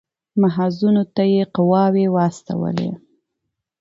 محاذونو ته یې قواوې واستولې.